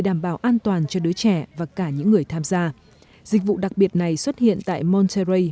đảm bảo an toàn cho đứa trẻ và cả những người tham gia dịch vụ đặc biệt này xuất hiện tại monterrey